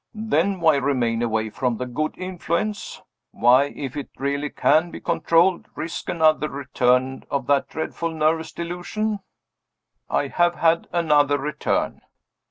"Then why remain away from the good influence? Why if it really can be controlled risk another return of that dreadful nervous delusion?" "I have had another return."